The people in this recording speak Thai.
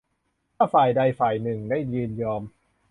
ถ้าฝ่ายใดฝ่ายหนึ่งได้ยินยอม